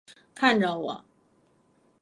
看着我